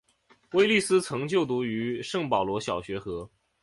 威利斯曾就读于圣保罗小学和。